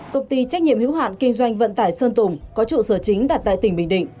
công ty trách nhiệm hữu hạn kinh doanh vận tải sơn tùng có trụ sở chính đặt tại tỉnh bình định